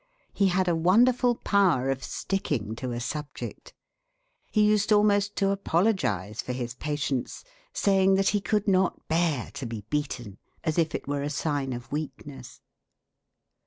He had a wonderful power of sticking to a subject. He used almost to apologize for his patience, saying that he could not bear to be beaten, as if it were a sign of weakness.